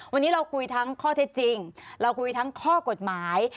วันนี้เราคุยทั้งข้อเท็จจริงเราคุยทั้งข้อกฎหมาย